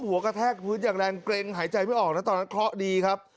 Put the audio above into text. กระแทกพื้นอย่างแรงเกร็งหายใจไม่ออกนะตอนนั้นเคราะห์ดีครับ